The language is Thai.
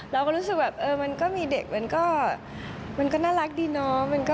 เราก็รู้สึกแบบเออมันก็มีเด็กมันก็น่ารักดีเนาะ